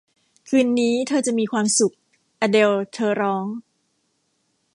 คืนนี้เธอจะมีความสุข อเดล เธอร้อง